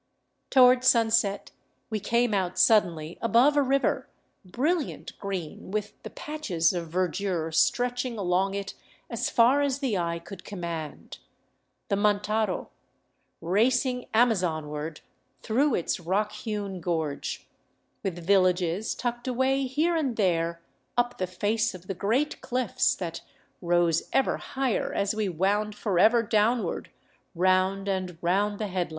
Toward sunset we came out suddenly above a river brilliant green with the patches of verdure stretching along it as far as the eye could command, — the Mantaro, racing Amazonward through its rock hewn gorge, with villages tucked away here and there up the face of the great cliffs that rose ever higher as we wound forever downward round and round the headlands.